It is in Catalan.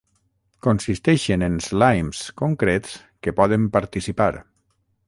Consisteixen en Slimes concrets que poden participar